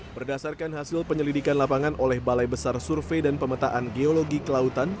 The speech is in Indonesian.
berdasarkan hasil penyelidikan lapangan oleh balai besar survei dan pemetaan geologi kelautan